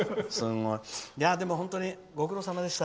でも本当に、ご苦労さまでした。